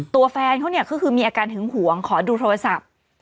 ตัวแฟนเขาเนี่ยก็คือมีอาการหึงหวงขอดูโทรศัพท์